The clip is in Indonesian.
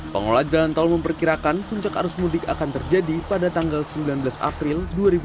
pengelola jalan tol memperkirakan puncak arus mudik akan terjadi pada tanggal sembilan belas april dua ribu dua puluh